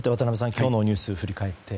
今日のニュース振り返って。